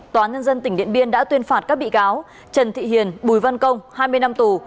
tòa nhân dân tỉnh điện biên đã tuyên phạt các bị cáo trần thị hiền bùi văn công hai mươi năm tù